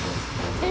えっ！？